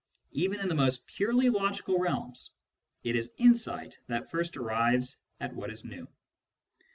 Even in the most purely logical realms, it is insight that first arrives at what is new.